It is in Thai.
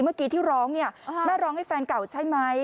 เมื่อกี้ที่ร้องเนี่ยแม่ร้องให้แฟนเก่าใช่ไหม